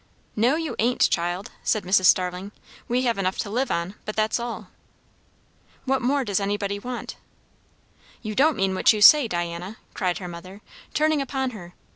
"No, you ain't, child," said Mrs. Starling. "We have enough to live on, but that's all." "What more does anybody want?" "You don't mean what you say, Diana!" cried her mother, turning upon her.